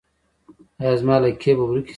ایا زما لکې به ورکې شي؟